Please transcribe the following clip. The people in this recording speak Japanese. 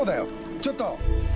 ちょっと！